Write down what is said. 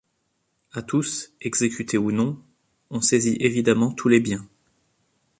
À tous, exécutés ou non, on saisit évidemment tous les biens.